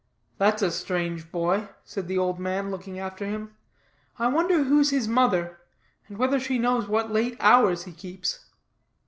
"That's a strange boy," said the old man, looking after him. "I wonder who's his mother; and whether she knows what late hours he keeps?"